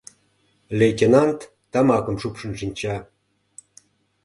Лейтенант тамакым шупшын шинча.